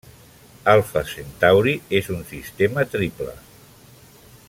Alfa Centauri és un sistema triple.